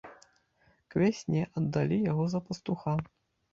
К вясне аддалі яго за пастуха.